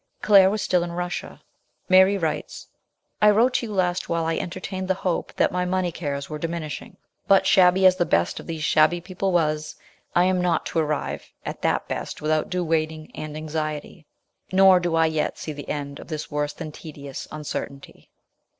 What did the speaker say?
Claire was still in Russia. Mary writes :" I wrote to you last while I entertained the hope that my money cares were diminishing, but shabby as the best of these shabby people was, I am not to arrive at that best without due waiting and anxiety. Nor do I yet see the end of this worse than tedious uncertainty."